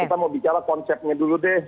kita mau bicara konsepnya dulu deh